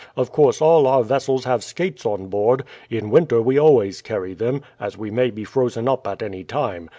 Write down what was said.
"Of course all our vessels have skates on board; in winter we always carry them, as we may be frozen up at any time.